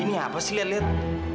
ini apa sih liat liat